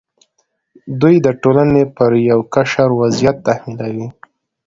دوی د ټولنې پر یو قشر وضعیت تحمیلوي.